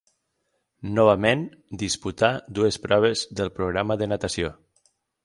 Novament disputà dues proves del programa de natació.